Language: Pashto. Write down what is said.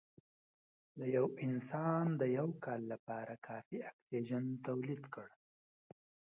د یو انسان د یو کال لپاره کافي اکسیجن تولید کړ